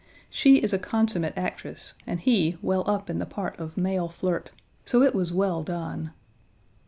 She is a consummate actress and he well up in the part of male flirt. So it was well done.